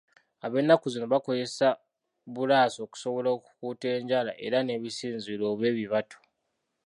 Ab'ennaku zino bakozesa bbulaasi okusobola okukuuta enjala era n'ebisinziiro oba ebibatu.